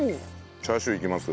チャーシューいきます？